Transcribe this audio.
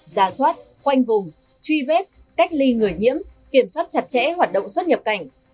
giả soát khoanh vùng truy vết cách ly người nhiễm kiểm soát chặt chẽ hoạt động xuất nhập cảnh